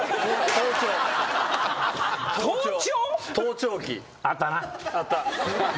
盗聴器。